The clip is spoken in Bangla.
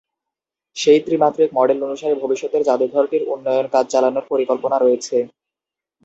সেই ত্রিমাত্রিক মডেল অনুসারে ভবিষ্যতের জাদুঘরটির উন্নয়ন কাজ চালানোর পরিকল্পনা রয়েছে।